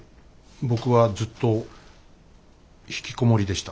僕はずっとひきこもりでした。